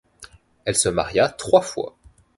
Elle se maria trois fois.